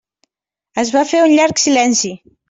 Es va fer un llarg silenci.